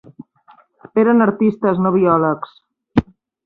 Eren artistes, no biòlegs.